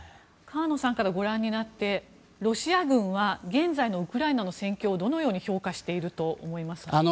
河野さんからご覧になってロシア軍は現在のウクライナの戦況をどのように評価していると思いますか？